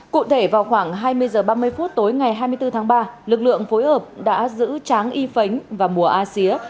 cụ thể vào khoảng hai mươi h ba mươi phút tối ngày hai mươi bốn tháng ba lực lượng phối hợp đã giữ tráng y phánh và mùa a xía